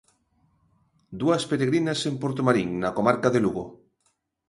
Dúas peregrinas en Portomarín, na comarca de Lugo.